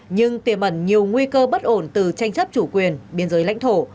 nhưng tiềm ẩn nhiều nguy cơ bất ổn từ tranh chấp chủ quyền biên giới lãnh thổ